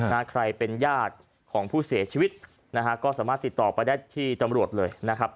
ใครเป็นญาติของผู้เสียชีวิตนะฮะก็สามารถติดต่อไปได้ที่ตำรวจเลยนะครับ